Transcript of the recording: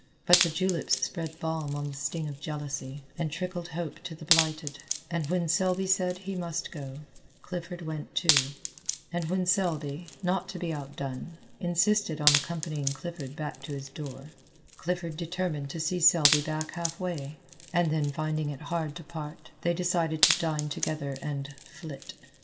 But the juleps spread balm on the sting of jealousy, and trickled hope to the blighted, and when Selby said he must go, Clifford went too, and when Selby, not to be outdone, insisted on accompanying Clifford back to his door, Clifford determined to see Selby back half way, and then finding it hard to part, they decided to dine together and "flit."